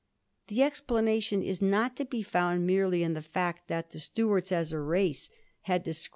The explanation is not to be found merely m the fact that the Stuarts, as a race, had discredited VOL.